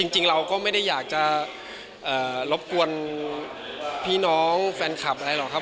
จริงเราก็ไม่ได้อยากจะรบกวนพี่น้องแฟนคลับอะไรหรอกครับ